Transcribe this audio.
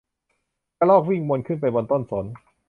กระรอกวิ่งวนขึ้นไปบนต้นสน